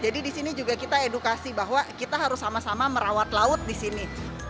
di sini juga kita edukasi bahwa kita harus sama sama merawat laut di sini